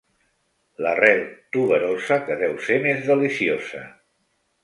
L'arrel tuberosa que deu ser més deliciosa.